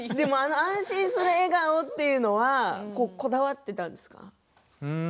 安心する笑顔というのはこだわっていたんですか。